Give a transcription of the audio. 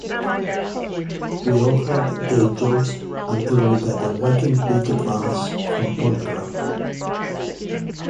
We all had day jobs until we got a whacking big advance from Polygram.